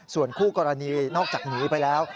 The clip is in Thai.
ส่วนคู่กรณีนอกจากหนีไปแล้ว